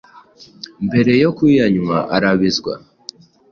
mbere yo kuyanywa arabizwa.